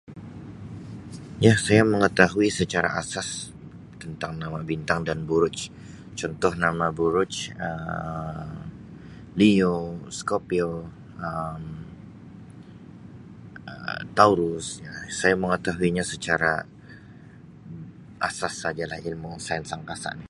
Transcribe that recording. Ya saya mengetahui secara asas tentang nama bintang dan buruj. Contoh nama buruj Um Leo, Scorpio, Um Taurus, ya saya mengetahuinya secara asas sajalah ilmu sains angkasa.